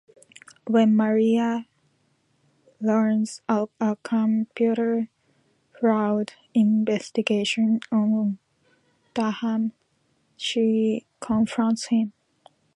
When Maria learns of a computer fraud investigation on Durham, she confronts him.